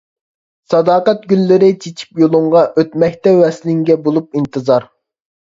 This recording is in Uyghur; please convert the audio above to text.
ساداقەت گۈللىرى چېچىپ يولۇڭغا، ئۆتمەكتە ۋەسلىڭگە بولۇپ ئىنتىزار.